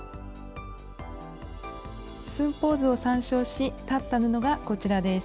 寸法図を参照し裁った布がこちらです。